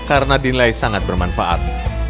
karena dinilai sangat bermanfaat